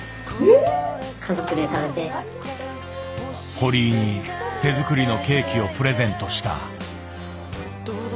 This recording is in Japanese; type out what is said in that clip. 堀井に手作りのケーキをプレゼントした。